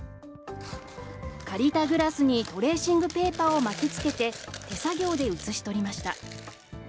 借りたグラスにトレーシングペーパーを巻きつけて、手作業で写し取りました。